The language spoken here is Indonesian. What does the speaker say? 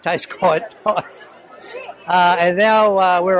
tapi sebenarnya mereka enak sekali